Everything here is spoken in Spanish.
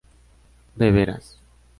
beberás